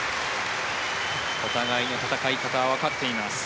お互いの戦い方はわかっています。